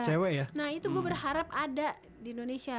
karena itu gue berharap ada di indonesia